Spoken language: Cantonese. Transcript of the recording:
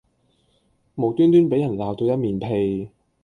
無端端俾人鬧到一面屁